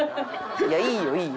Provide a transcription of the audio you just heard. いやいいよいいよ。